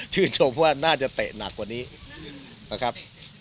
ชมว่าน่าจะเตะหนักกว่านี้นะครับ